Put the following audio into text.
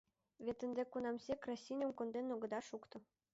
Вет ынде кунамсек красиным конден огыда шукто?